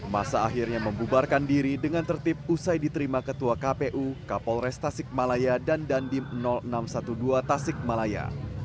masa akhirnya membubarkan diri dengan tertib usai diterima ketua kpu kapolres tasikmalaya dan dandim enam ratus dua belas tasik malaya